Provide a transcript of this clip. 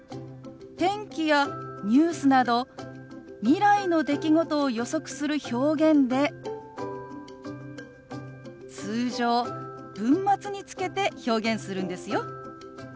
天気やニュースなど未来の出来事を予測する表現で通常文末につけて表現するんですよ。